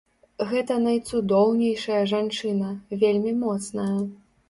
Гэта найцудоўнейшая жанчына, вельмі моцная.